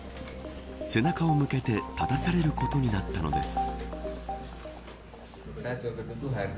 背中を向けて立たされることになったのです。